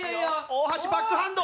大橋バックハンド！